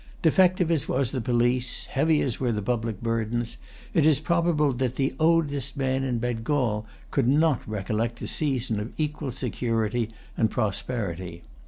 Defective as was the police, heavy as were the public burdens, it is probable that the oldest man in Bengal could not recollect a season of equal security and prosperity.